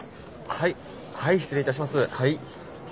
はい。